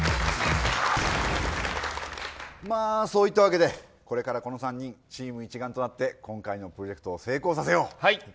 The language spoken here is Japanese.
まあ、そういったわけでこれからこの３人チーム一丸となって今回のプロジェクトを成功させよう。